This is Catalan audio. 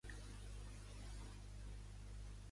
De què va era responsable a la guerra?